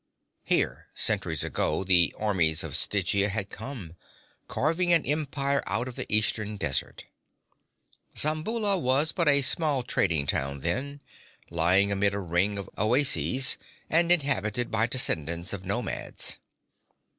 Here, centuries ago, the armies of Stygia had come, carving an empire out of the eastern desert. Zamboula was but a small trading town then, lying amidst a ring of oases, and inhabited by descendants of nomads.